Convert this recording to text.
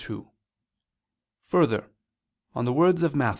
2: Further, on the words of Matt.